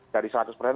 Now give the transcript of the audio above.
dari seratus persen